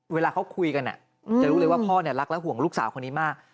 เวลาเขาคุยกันจะรู้เลยว่าพ่อรักและห่วงลูกสาวคนนี้มาก